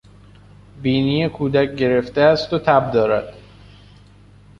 بینی کودک گرفته است و تب دارد.